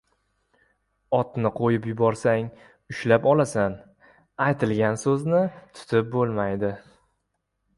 • Otni qo‘yib yuborsang — ushlab olasan, aytilgan so‘zni tutib bo‘lmaydi.